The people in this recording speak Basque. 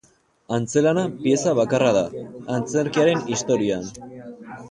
Antzezlana pieza bakarra da antzerkiaren historian.